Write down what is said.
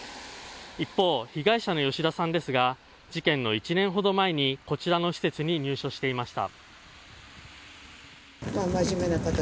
一方、被害者の吉田さんですが事件の１年ほど前にこちらの施設に入所していました。